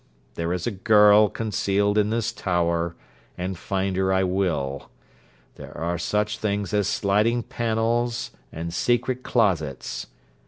There is a girl concealed in this tower, and find her I will. There are such things as sliding panels and secret closets.'